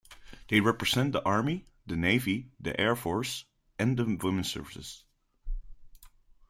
They represent the Army, the Navy, the Air Force, and Women's Services.